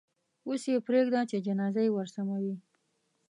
اوس یې پرېږده چې جنازه یې ورسموي.